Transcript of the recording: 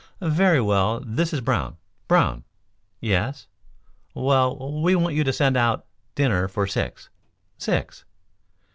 Very well; this is Brown. Brown! Yes. Well, we want you to send out dinner for six. Six!